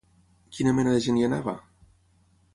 Quina mena de gent hi anava?